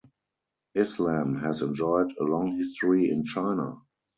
Islam has enjoyed a long history in China.